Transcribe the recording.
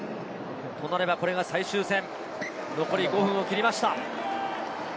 となれば、これが最終戦、残り５分を切りました。